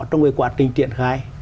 trong cái quá trình triển khai